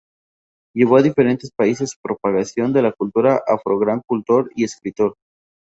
Llevó a diferentes países su propagación de la cultura afro gran cultor y escritor.